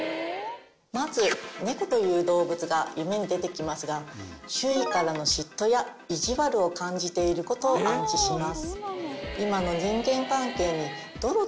まず猫という動物が夢に出てきますが周囲からの嫉妬やいじわるを感じていることを暗示します。